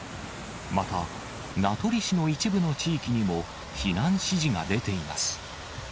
また名取市の一部の地域にも、避難指示が出ています。